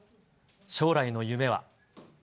将来の夢は。